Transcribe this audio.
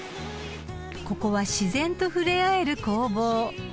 ［ここは自然と触れ合える工房］